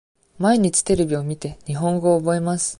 毎日テレビを見て、日本語を覚えます。